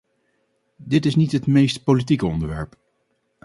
Dit is niet het meest politieke onderwerp.